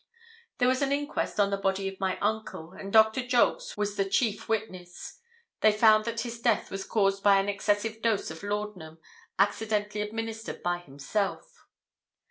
There was an inquest on the body of my uncle, and Dr. Jolks was the chief witness. They found that his death was caused by 'an excessive dose of laudanum, accidentally administered by himself.'